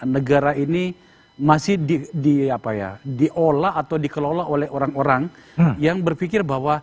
negara ini masih di apa ya diolah atau dikelola oleh orang orang yang berpikir bahwa memang harus